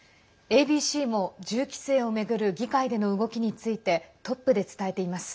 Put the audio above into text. ＡＢＣも銃規制を巡る議会での動きについてトップで伝えています。